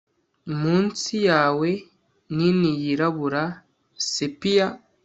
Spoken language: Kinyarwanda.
Munsi yawe nini yirabura sepia